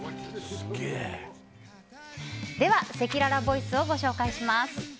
では、せきららボイスをご紹介します。